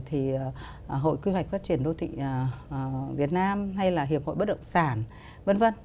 thì hội quy hoạch phát triển đô thị việt nam hay là hiệp hội bất động sản vân vân